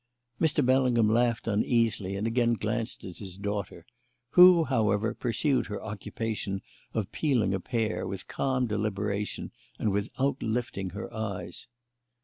Mr. Bellingham laughed uneasily and again glanced at his daughter, who, however, pursued her occupation of peeling a pear with calm deliberation and without lifting her eyes.